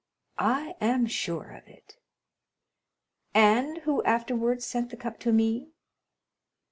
"I am sure of it." "And who afterwards sent the cup to me?"